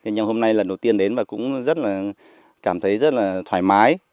nhưng hôm nay lần đầu tiên đến và cũng rất là cảm thấy rất là thoải mái